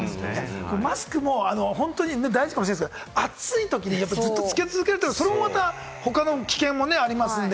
マスクも大事かもしれないけれども、暑いときにずっと着け続けるというのもまた他の危険もありますんで。